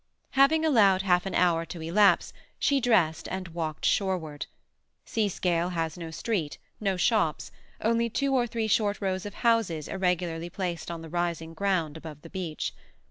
Having allowed half an hour to elapse, she dressed and walked shoreward. Seascale has no street, no shops; only two or three short rows of houses irregularly placed on the rising ground above the beach.